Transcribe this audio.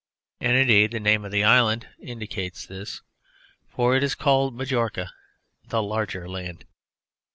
And, indeed, the name of the island indicates this, for it is called Majorca, "The Larger Land."